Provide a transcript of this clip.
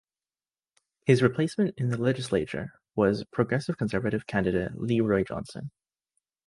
His replacement in the legislature was Progressive Conservative candidate LeRoy Johnson.